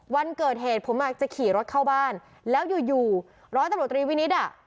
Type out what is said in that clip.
วันเกิดเหตุผมอาจจะขี่รถเข้าบ้านแล้วอยู่อยู่ร้อยตำรวจตรีวินิตอ่ะ